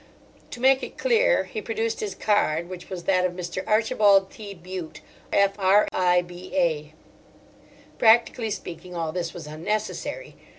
To make it clear he produced his card, which was that of Mr. Archibald T. Bute, F.R.I.B.A. Practically speaking, all this was unnecessary.